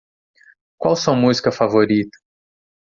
Qual sua música favorita?